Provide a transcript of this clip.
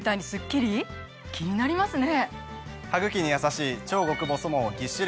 気になりますね！